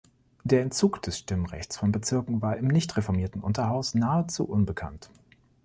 Der Entzug des Stimmrechts von Bezirken war im nicht-reformierten Unterhaus nahezu unbekannt.